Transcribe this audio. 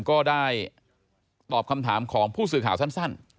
ก็ได้ตอบคำถามของผู้สื่อข่าวสั้น